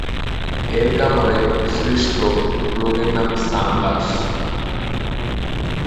এর কামড়ে সৃষ্ট রোগের নাম ‘সাঙ্গাস’।